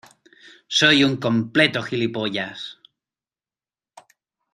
soy un completo gilipollas.